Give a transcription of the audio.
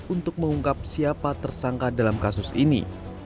untuk mengungkap siapa tersangka dalam kasus ini